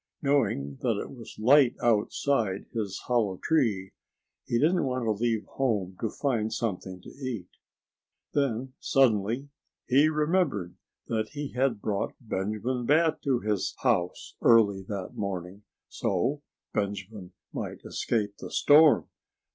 Knowing that it was light outside his hollow tree, he didn't want to leave home to find something to eat. Then, suddenly, he remembered that he had brought Benjamin Bat to his house early that morning, so Benjamin might escape the storm....